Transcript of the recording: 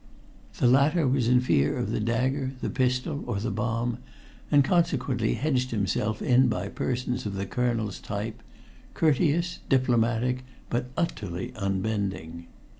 The latter was in fear of the dagger, the pistol, or the bomb, and consequently hedged himself in by persons of the Colonel's type courteous, diplomatic, but utterly unbending.